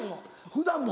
普段も。